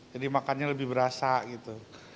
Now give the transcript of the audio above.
jadi makannya lebih berasa gitu